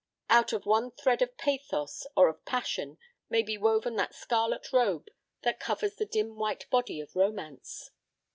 Out of one thread of pathos or of passion may be woven that scarlet robe that covers the dim white body of Romance.